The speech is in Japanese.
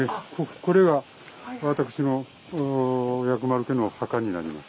これが私の薬丸家の墓になります。